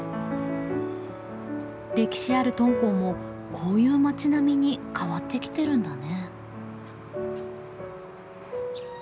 歴史ある敦煌もこういう町並みに変わってきてるんだね。